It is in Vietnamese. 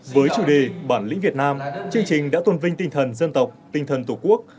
với chủ đề bản lĩnh việt nam chương trình đã tôn vinh tinh thần dân tộc tinh thần tổ quốc